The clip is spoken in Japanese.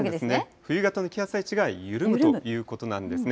冬型の気圧配置が緩むということなんですね。